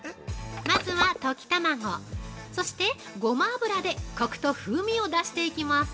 ◆まずは溶き卵、そしてゴマ油でコクと風味を出していきます。